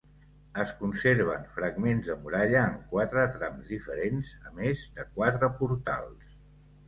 Es conserven fragments de muralla en quatre trams diferents, a més de quatre portals.